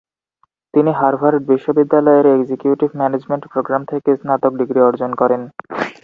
তিনি হার্ভার্ড বিশ্ববিদ্যালয়ের executive management programme থেকে স্নাতক ডিগ্রি অর্জন করেন।